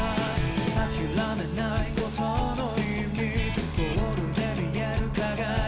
「諦めないことの意味」「ゴールで見える輝きを」